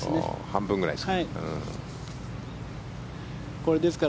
半分ぐらいですか。